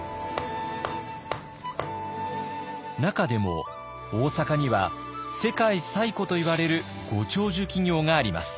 中でも大阪には世界最古といわれるご長寿企業があります。